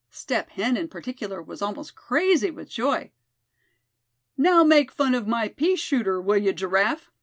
Step Hen in particular was almost crazy with joy. "Now make fun of my pea shooter, will you, Giraffe?"